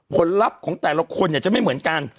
ลัพธ์ของแต่ละคนเนี่ยจะไม่เหมือนกัน